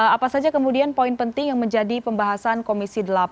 apa saja kemudian poin penting yang menjadi pembahasan komisi delapan